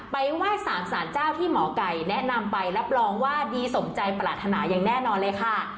ไหว้สารสารเจ้าที่หมอไก่แนะนำไปรับรองว่าดีสมใจปรารถนาอย่างแน่นอนเลยค่ะ